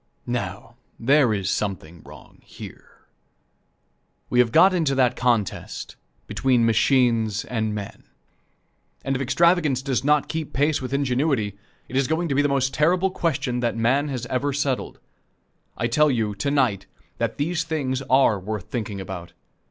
Now, there is something wrong there. We have got into that contest between machines and men, and if extravagance does not keep pace with ingenuity, it is going to be the most terrible question that man has ever settled. I tell you, to night, that these things are worth thinking about.